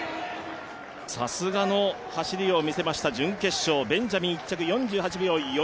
さすがの走りを見せました準決勝ベンジャミン１着４８秒４４。